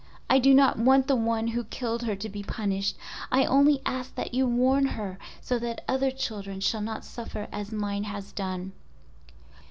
I do not want the one who killed her to be punished. I only ask that you warn her so that other children shall not suffer as mine has done."